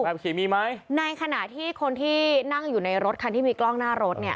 ขี่มีไหมในขณะที่คนที่นั่งอยู่ในรถคันที่มีกล้องหน้ารถเนี่ย